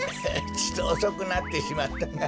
ちとおそくなってしまったが。